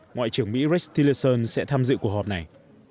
ngoại trưởng mỹ rece tillerson sẽ tham dự cuộc họp này